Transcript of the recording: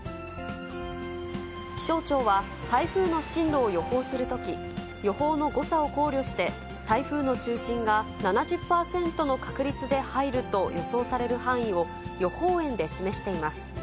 気象庁は、台風の進路を予報するとき、予報の誤差を考慮して、台風の中心が７０％の確率で入ると予想される範囲を、予報円で示しています。